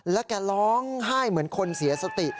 แล้วแกร้องไห้เหมือนคนเสียสติ